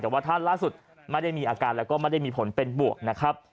แต่ว่าท่านล่าสุดไม่ได้มีอาการแล้วก็ไม่ได้มีผลเป็นบวกนะครับ